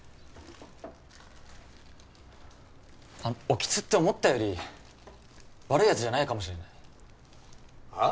あの興津って思ったより悪いやつじゃないかもしれないはあ？